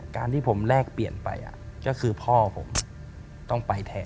การที่ผมแลกเปลี่ยนไปก็คือพ่อผมต้องไปแทน